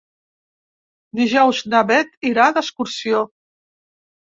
Dijous na Bet irà d'excursió.